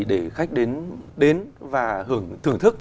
để khách đến và thưởng thức